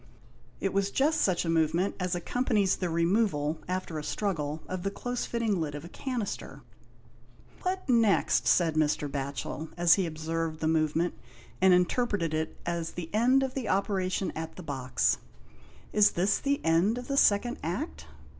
It was just such a movement as accompanies the removal, after a struggle, of the close fitting lid of a canister. "What next?" said Mr. Batchel, as he observed the movement, and interpreted it as the end of the operation at the box. " Is this the end of the second Act